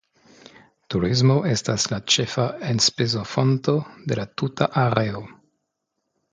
Turismo estas la ĉefa enspezofonto de la tuta areo.